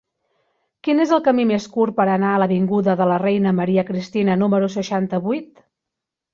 Quin és el camí més curt per anar a l'avinguda de la Reina Maria Cristina número seixanta-vuit?